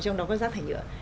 trong đó có rác thải nhựa